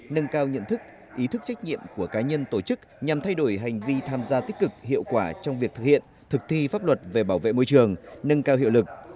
nâng cao nhận thức ý thức trách nhiệm của cá nhân tổ chức nhằm thay đổi hành vi tham gia tích cực hiệu quả trong việc thực hiện thực thi pháp luật về bảo vệ môi trường nâng cao hiệu lực